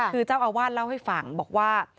คือเจ้าอาวาสเล่าให้ฟังบอกว่า